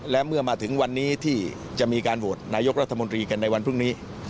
และเมื่อมาถึงวันนี้ที่จะมีการโหวตนายกรัฐมนตรีกันในวันพรุ่งนี้